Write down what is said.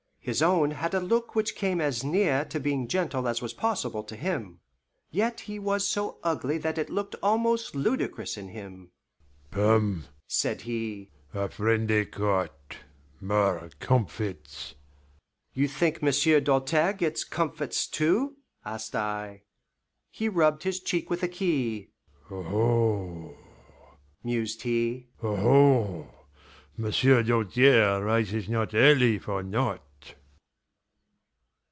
His own had a look which came as near to being gentle as was possible to him. Yet he was so ugly that it looked almost ludicrous in him. "Poom!" said he. "A friend at court. More comfits." "You think Monsieur Doltaire gets comfits, too?" asked I. He rubbed his cheek with a key. "Aho!" mused he "aho! M'sieu' Doltaire rises not early for naught."